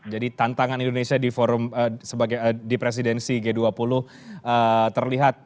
jadi tantangan indonesia di presidensi g dua puluh terlihat